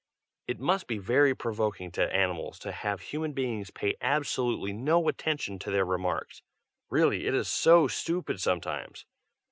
It must be very provoking to animals to have human beings pay absolutely no attention to their remarks. Really, it is so stupid sometimes.